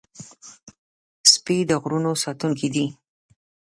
سپي د غرونو ساتونکي دي.